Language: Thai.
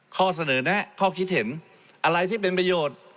ข้อเสนอแนะข้อคิดเห็นอะไรที่เป็นประโยชน์